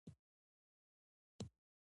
د افغان معماری بڼه تاریخي ده.